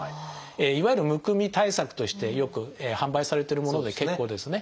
いわゆるむくみ対策としてよく販売されてるもので結構ですね。